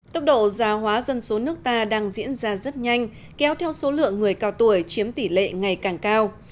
tốc độ gia hóa dân số nước ta đang diễn ra rất nhanh kéo theo số lượng người cao tuổi chiếm tỷ lệ ngày càng cao